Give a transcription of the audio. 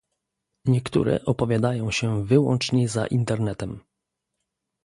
Niektóre opowiadają się wyłącznie za Internetem